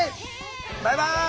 バイバイ！